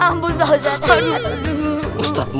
ambil pak ustadz